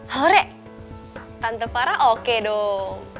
hore tante fara oke dong